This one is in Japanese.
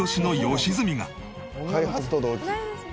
「開発と同期」